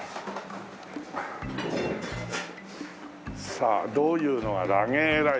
さあどういうのがラゲーライスね。